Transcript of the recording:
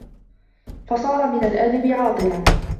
فَصَارَ مِنْ الْأَدَبِ عَاطِلًا